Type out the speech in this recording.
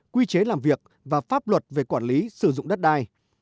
quy chế làm việc và pháp luật về quản lý sử dụng đất đai